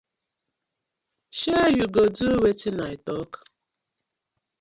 Shey yu go do wetin I tok.